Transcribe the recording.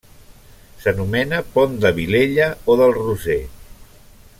S'anomena pont de Vilella o del Roser.